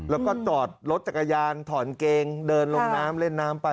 แล้วก็จอดรถจักรยานถอนเกงเดินลงน้ำเล่นน้ำไป